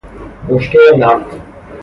بشکهُ نفت